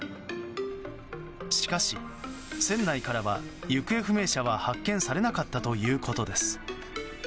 しかし、船内からは行方不明者は発見されなかったということです。